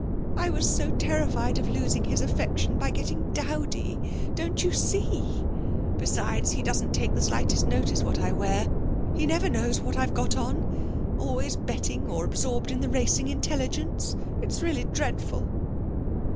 I was so terrified of losing his affection by getting dowdy, don't you see? Besides, he doesn't take the slightest notice what I wear, he never knows what I've got on! Always betting or absorbed in the Racing Intelligence; it's really dreadful.'